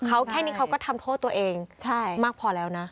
เขาแค่นี้เขาก็ทำโทษตัวเองมากพอแล้วนะ